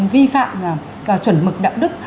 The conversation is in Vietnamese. vi phạm chuẩn mực đạo đức